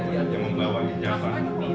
yang membawa ijasa